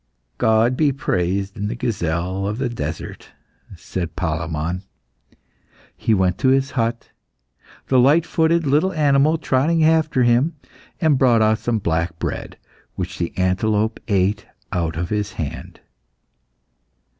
"God be praised in the gazelle of the desert," said Palemon. He went to his hut, the light footed little animal trotting after him, and brought out some black bread, which the antelope ate out of his hand.